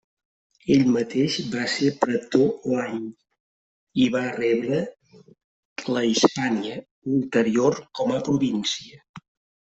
Ell mateix va ser pretor l'any i va rebre la Hispània Ulterior com a província.